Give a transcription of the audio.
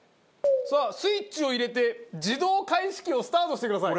さあスイッチを入れて自動返し器をスタートしてください。